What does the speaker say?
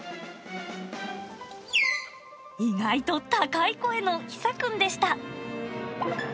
意外と高い声のヒサくんでした。